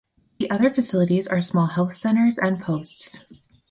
The other facilities are small health centers and posts.